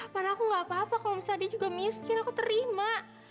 man aku nggak apa apa kalo misalnya dia juga miskin aku terima